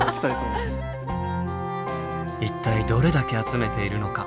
一体どれだけ集めているのか。